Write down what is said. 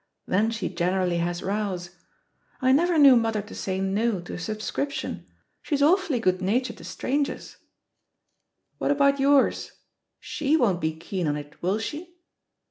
Then she generally has rows. I never knew mother to say *no* to a subscription — ^she's awfully good na tured to strangers. ••• What about yours? She won't be keen on it, will she?"